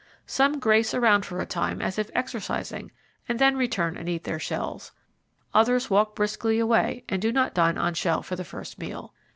Some grace around for a time as if exercising and then return and eat their shells; others walk briskly away and do not dine on shell for the first meal.